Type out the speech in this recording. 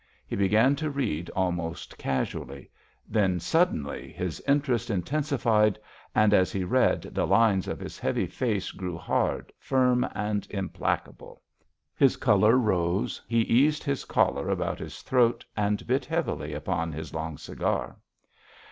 He began to read almost casually; then, suddenly, his interest intensified, and as he read the lines of his heavy face grew hard, firm and implacable. His colour rose; he eased his collar about his throat and bit heavily upon his long cigar.